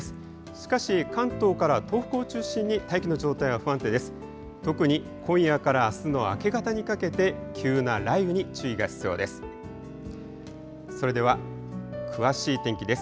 しかし、関東から東北を中心に大気の状態は不安定です。